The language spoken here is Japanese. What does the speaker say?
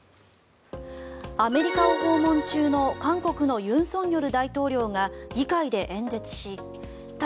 アメリカを訪問中の韓国の尹錫悦大統領が議会で演説し対